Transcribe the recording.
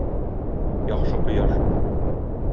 Яхшы кояш.